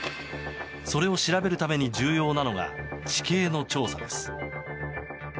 それを調べるために重要なのが地形の調査です。